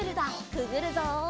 くぐるぞ。